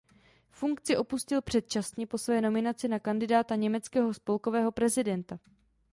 Funkci opustil předčasně po své nominaci na kandidáta německého spolkového prezidenta.